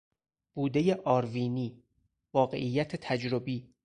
بودهی آروینی، واقعیت تجربی